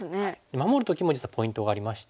守る時も実はポイントがありまして。